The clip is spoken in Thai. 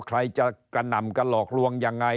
ใครจะกระหน่ำกระหลอกลวงยังไง